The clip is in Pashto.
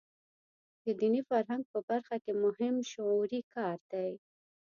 د دیني فرهنګ په برخه کې مهم شعوري کار دی.